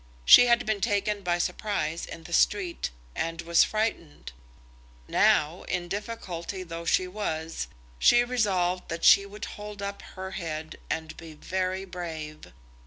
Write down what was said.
She had been taken by surprise in the street, and was frightened. Now, in difficulty though she was, she resolved that she would hold up her head and be very brave.